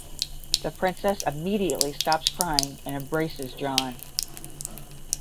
The princess immediately stops crying and embraces John.